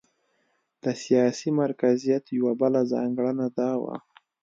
د سیاسي مرکزیت یوه بله ځانګړنه دا وه.